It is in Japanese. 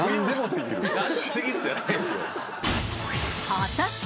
［果たして］